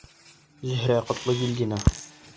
Зөһрә ҠОТЛОГИЛДИНА.